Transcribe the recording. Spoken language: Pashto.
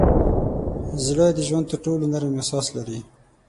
زړه د ژوند تر ټولو نرم احساس لري.